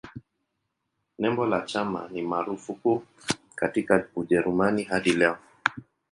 Nembo la chama ni marufuku katika Ujerumani hadi leo.